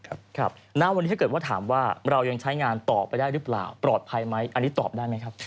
ครับณวันนี้ถ้าเกิดว่าถามว่าเรายังใช้งานต่อไปได้หรือเปล่าปลอดภัยไหมอันนี้ตอบได้ไหมครับ